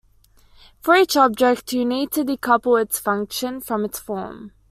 For each object, you need to decouple its function from its form.